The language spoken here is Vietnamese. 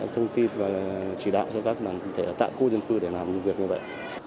thông tin và chỉ đạo cho các đoàn thể ở tại khu dân cư để làm việc như vậy